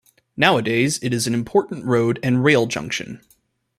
Nowadays it is an important road and rail junction.